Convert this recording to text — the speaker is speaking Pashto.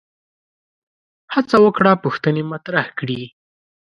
هڅه وکړه پوښتنې مطرح کړي